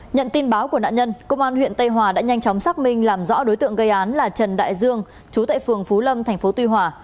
nhận tin báo của nạn nhân công an huyện tây hòa đã nhanh chóng xác minh làm rõ đối tượng gây án là trần đại dương chú tại phường phú lâm thành phố tuy hòa